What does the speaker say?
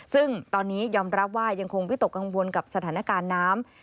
ซึ่งตอนนี้ยอมรับว่ายังคงวิตกกังวลกับสถานการณ์น้ำ